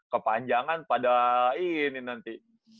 kepanjangan pada ini nanti